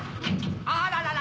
あららら！